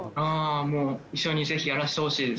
一緒にぜひやらせてほしいです。